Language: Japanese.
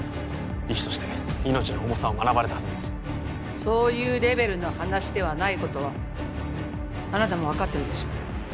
医師として命の重さを学ばれたはずですそういうレベルの話ではないことはあなたも分かってるでしょ